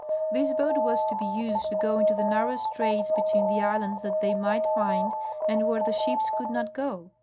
This boat was to be used to go into the narrow straits be tween the islands that they might find and where the ships could not go.